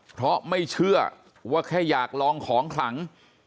เพราะไม่เชื่อว่าแค่อยากลองของขลัง